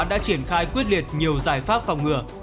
đã triển khai quyết liệt nhiều giải pháp phòng ngừa